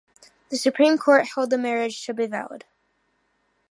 The Supreme Court held the marriage to be valid.